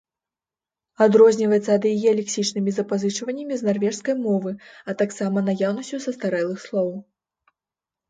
Адрозніваецца ад яе лексічнымі запазычваннямі з нарвежскай мовы, а таксама наяўнасцю састарэлых слоў.